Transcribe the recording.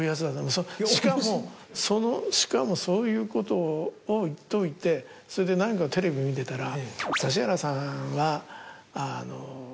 しかもしかもそういうことを言っといてそれで何かのテレビ見てたら。